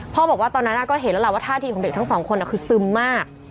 บอกว่าตอนนั้นก็เห็นแล้วล่ะว่าท่าทีของเด็กทั้งสองคนคือซึมมาก